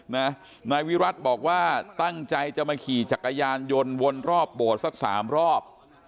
นายวิรัติบอกว่าตั้งใจจะมาขี่จักรยานยนต์วนรอบโบสถ์สักสามรอบ